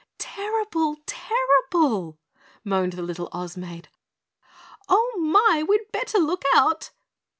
"Terrible! Terrible!" moaned the little Oz Maid. "Oh, my! We'd better look out!"